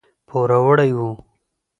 پوروړي وو.